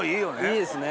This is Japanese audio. いいですね！